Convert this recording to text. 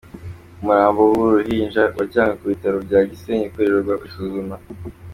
Umurambo w’uru ruhinja wajyanwe ku Bitaro bya Gisenyi gukorerwa isuzuma.